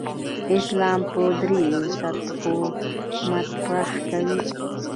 اسلام په درېو سطحو مطرح کوي.